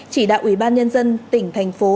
chỉ đạo ủy ban nhân dân tỉnh thành phố